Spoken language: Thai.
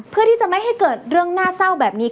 เตียงมันคิดว่านี่